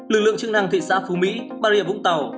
lực lượng chức năng thị xã phú mỹ bà rịa vũng tàu